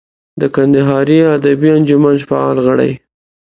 د کندهاري ادبي انجمن فعال غړی.